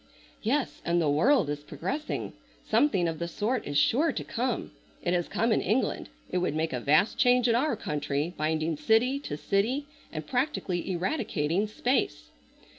"Yes, and the world is progressing. Something of the sort is sure to come. It has come in England. It would make a vast change in our country, binding city to city and practically eradicating space."